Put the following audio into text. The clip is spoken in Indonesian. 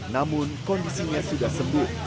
namun kondisinya sudah sembuh